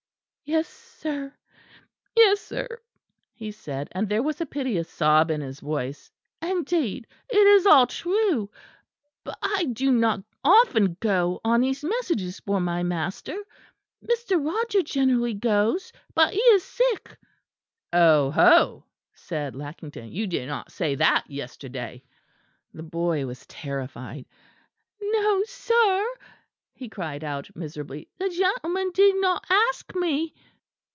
"Yes, sir, yes, sir," he said, and there was a piteous sob in his voice. "Indeed it is all true: but I do not often go on these messages for my master. Mr. Roger generally goes: but he is sick." "Oho!" said Lackington, "you did not say that yesterday." The boy was terrified. "No, sir," he cried out miserably, "the gentleman did not ask me."